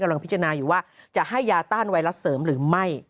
กำลังพิจารณาอยู่ว่าจะให้ยาต้านไวรัสเสริมหรือไม่